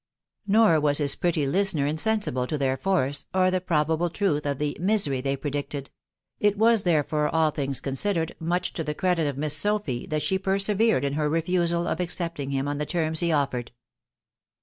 Nor was his pretty listener insensible to their force, or the probable truth of the " misery" they predicted; it was, therefore, all things con sidered, much to the credit of Miss Sophy that she persevered in her refusal of accepting him on the terms he offered.